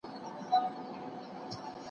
ولسي جرګه له مشرانو جرګې سره څه توپیر لري؟